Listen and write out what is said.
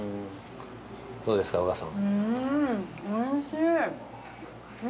◆どうですか、宇賀さん。